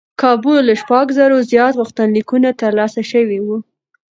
کابو له شپږ زرو زیات غوښتنلیکونه ترلاسه شوي و.